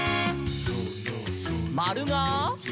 「まるが？」